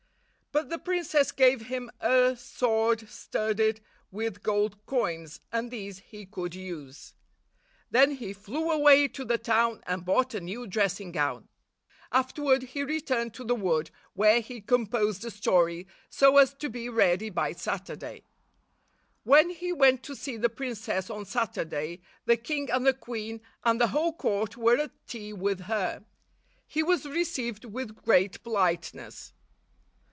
But the princess gave him a sword studded with gold coins, and these he could use. Then he flew away to the town and bought a new dressing gown. Afterward he returned to the wood, where he composed a story, so as to be ready by Saturday. When he went to see the princess on Saturday, the king and the queen and the whole court were at tea with her. He was received with great politeness.